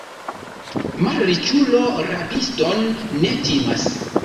Malriĉulo rabiston ne timas.